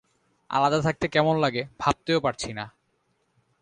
আলাদা থাকতে কেমন লাগে ভাবতেও পারছি না।